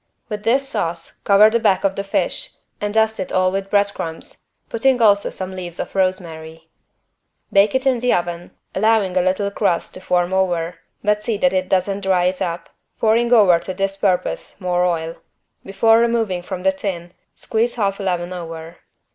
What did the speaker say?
With this sauce cover the back of the fish and dust it all with bread crumbs, putting also some leaves of rosemary. Bake in the oven, allowing a little crust to form over, but see that it doesn't dry up, pouring over to this purpose more oil. Before removing from the tin squeeze half a lemon over.